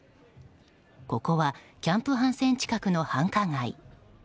ここはキャンプ・ハンセン近くの繁華街。